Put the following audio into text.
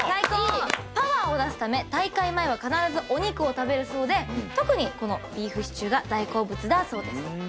パワーを出すため大会前は必ずお肉を食べるそうで特にこのビーフシチューが大好物だそうです。